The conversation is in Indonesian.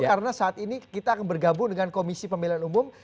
karena saat ini kita akan bergabung dengan komisi pemilihan umum